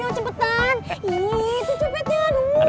iiiih tuh cobatnya aduh